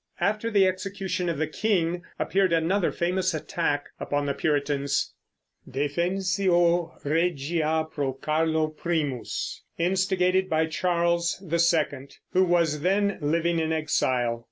After the execution of the king appeared another famous attack upon the Puritans, Defensio Regia pro Carlo I, instigated by Charles II, who was then living in exile.